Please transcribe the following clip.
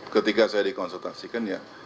ketika saya dikonsultasikan ya